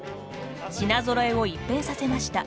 品ぞろえを一変させました。